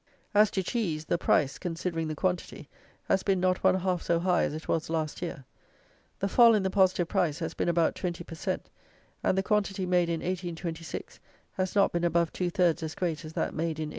As to cheese, the price, considering the quantity, has been not one half so high as it was last year. The fall in the positive price has been about 20 per cent., and the quantity made in 1826 has not been above two thirds as great as that made in 1825.